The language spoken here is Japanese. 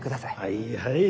はいはい。